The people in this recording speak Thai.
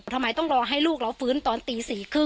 ทำไมต้องรอให้ลูกเราฟื้นตอนตี๔๓๐